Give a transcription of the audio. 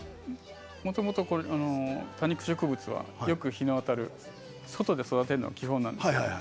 もともと多肉植物はよく日の当たる外で育てるのが基本なんです。